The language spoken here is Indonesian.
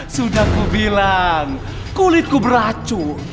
sudah kubilang kulitku beracu